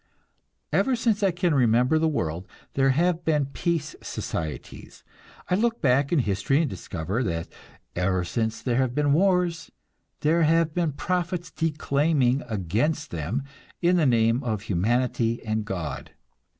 Ever since I can remember the world, there have been peace societies; I look back in history and discover that ever since there have been wars, there have been prophets declaiming against them in the name of humanity and God.